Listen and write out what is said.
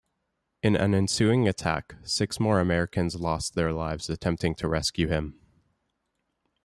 In an ensuing attack, six more Americans lost their lives attempting to rescue him.